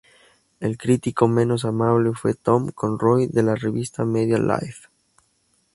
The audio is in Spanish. El critico menos amable fue Tom Conroy de la revista "Media Life.